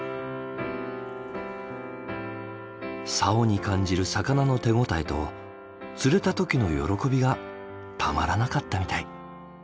竿に感じる魚の手応えと釣れた時の喜びがたまらなかったみたい。